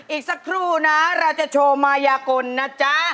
อีกสักครู่นะเราจะโชว์มายากลนะจ๊ะ